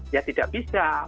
ya tidak bisa